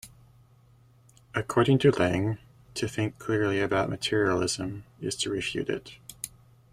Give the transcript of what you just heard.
According to Lange, "to think clearly about materialism is to refute it".